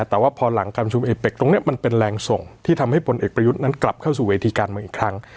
แต่ว่าพอหลังการประชุมเอเป็กตรงนี้มันเป็นแรงส่งที่ทำให้พลเอกประยุทธ์นั้นกลับเข้าสู่เวทีการเมืองอีกครั้ง